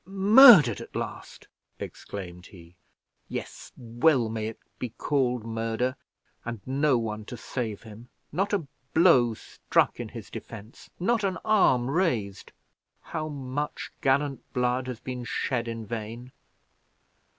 "Murdered at last!" exclaimed he. "Yes, well may it be called murder, and no one to save him not a blow struck in his defense not an arm raised. How much gallant blood has been shed in vain!